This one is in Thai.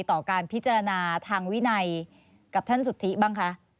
ต่อการพิจารณาทางวินัยกับท่านสุธิบ้างคะ